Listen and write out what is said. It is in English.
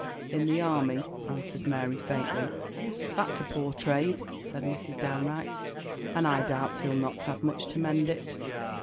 "In the army," answered Mary, faintly. "That's a poor trade," said Mrs. Downe Wright, "and I doubt he'll not have much to mend it.